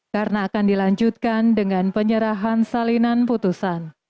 karena akan dilanjutkan dengan penyerahan salinan putusan